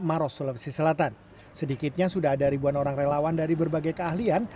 maros sulawesi selatan sedikitnya sudah ada ribuan orang relawan dari berbagai keahlian